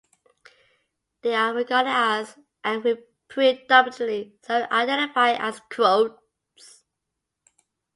They are regarded as and predominantly self-identify as Croats.